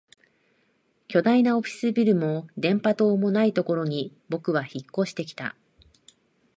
巨大なオフィスビルも電波塔もないところに僕は引っ越してきた